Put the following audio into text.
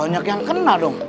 banyak yang kenal dong